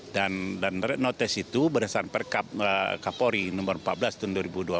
dan red notice itu berdasarkan perkapori nomor empat belas tahun dua ribu dua belas